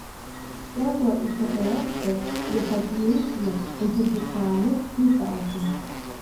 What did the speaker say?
Кьагәа, ихаҭа иакәзар, иаҳагьы еиӷьны, инҭырҳәцааны дҭиҵаахьан.